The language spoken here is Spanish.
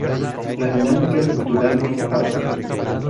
La dinámica cultural me enfada.